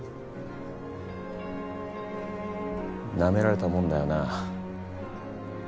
ナメられたもんだよな。